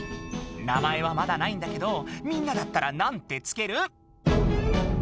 名前はまだないんだけどみんなだったらなんてつける？